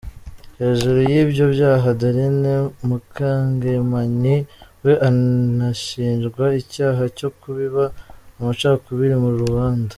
Hejuru y’ibyo byaha Adeline Mukangemanyi we anashinjwa icyaha cyo kubiba amacakubiri muri rubanda.